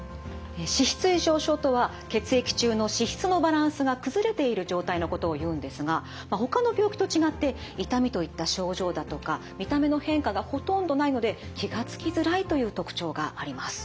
脂質異常症とは血液中の脂質のバランスが崩れている状態のことを言うんですがほかの病気と違って痛みといった症状だとか見た目の変化がほとんどないので気が付きづらいという特徴があります。